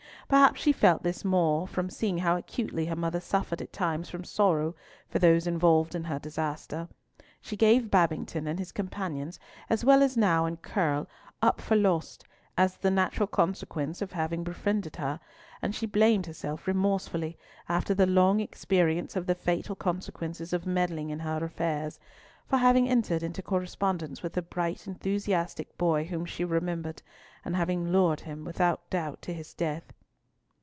Perhaps she felt this the more from seeing how acutely her mother suffered at times from sorrow for those involved in her disaster. She gave Babington and his companions, as well as Nau and Curll, up for lost, as the natural consequence of having befriended her; and she blamed herself remorsefully, after the long experience of the fatal consequences of meddling in her affairs, for having entered into correspondence with the bright enthusiastic boy whom she remembered, and having lured him without doubt to his death.